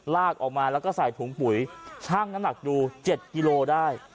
ลากออกมาแล้วก็ใส่ถุงปุ๋ยช่างน้ำหนักดู๗กิโลได้